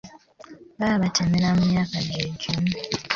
Baba batemera mu myaka gye gimu.